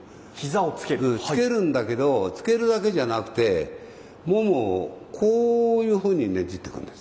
つけるんだけどつけるだけじゃなくてももをこういうふうにねじっていくんですよ